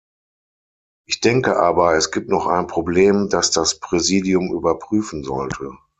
Ich denke aber, es gibt noch ein Problem, das das Präsidium überprüfen sollte.